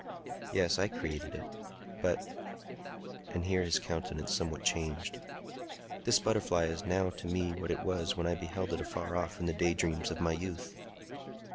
Yes; I created it. But"—and here his countenance somewhat changed—"this butterfly is not now to me what it was when I beheld it afar off in the daydreams of my youth."